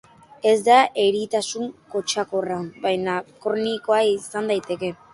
Ez da eritasun kutsakorra baina kronikoa izan daiteke.